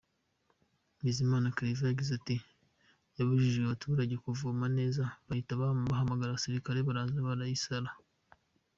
Bizimana Claver yagize ati “Yabujije abaturage kuvoma neza bahita bahamagara abasirikare baraza barayirasa.